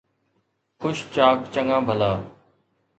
خوش چاڪ چڱان ڀلا